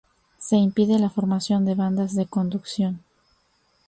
Se impide la formación de bandas de conducción.